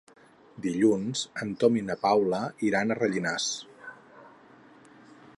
Dilluns en Tom i na Paula iran a Rellinars.